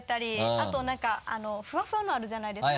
あと何かふわふわのあるじゃないですか。